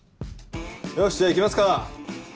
よしじゃあ行きますか。